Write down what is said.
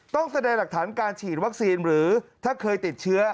ต้องแสดงหลักฐานการฉีดวัคซีนหรือถ้าเคยติดเชื้อ